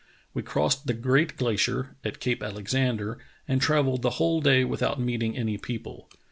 We crossed the great glacier [at Cape Alexander] and travelled the whole day without meet ing with any people.